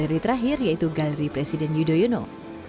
galeri terakhir yaitu galeri presiden yudhoyono